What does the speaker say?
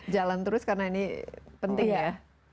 jalan terus karena ini penting ya